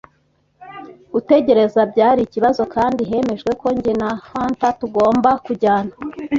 Gutegereza byari ikibazo, kandi hemejwe ko njye na Hunter tugomba kujyana